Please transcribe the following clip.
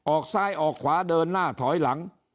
ออกซ้ายออกขวาเดินหน้าถอยหลัง